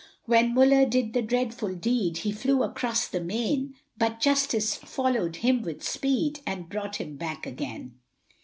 When Muller did the dreadful deed, He flew across the main, But Justice followed him with speed, And brought him back again.